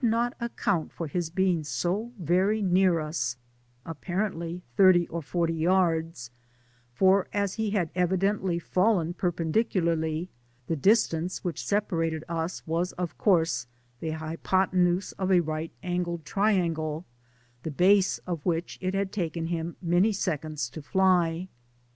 not account for his being so very near us, (apparently thirty or forty yards,) for, as he had evidently fallen perpen dicularly, the distance which separated us was of course the hypothenuse of a right angled triangle, the base of which it had taken him many seconds to fly.